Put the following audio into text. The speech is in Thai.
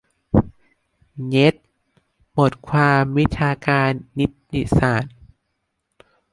"เย็ด" บทความวิชาการนิติศาสตร์